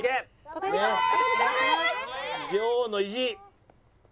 女王の意地。